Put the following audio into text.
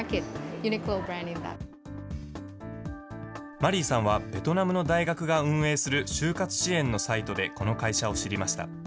マリーさんは、ベトナムの大学が運営する就活支援のサイトで、この会社を知りました。